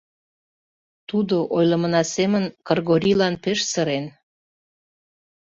Тудо, ойлымына семын, Кыргорийлан пеш сырен.